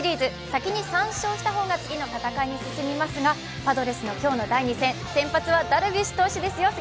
先に３勝した方が次の戦いに進みますがパドレスの今日の第２戦、先発はダルビッシュ選手ですよ。